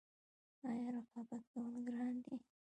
آیا رقابت کول ګران دي؟